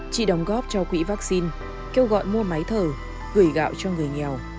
chị đóng góp cho quỹ vaccine kêu gọi mua máy thở gửi gạo cho người nghèo